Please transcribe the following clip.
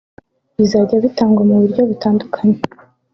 Bizajya bitangwa mu buryo butandukanye